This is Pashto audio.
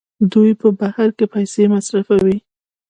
دوی په بهر کې پیسې مصرفوي.